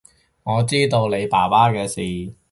我知道你爸爸嘅事